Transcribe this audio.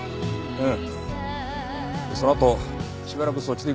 うん。